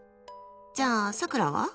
じゃあ、さくらは？